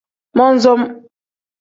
Mon-som.